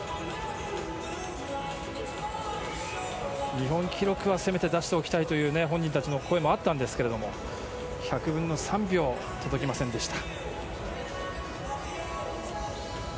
日本記録はせめて出しておきたいという本人たちの声もあったんですけれども１００分の３秒届きませんでした。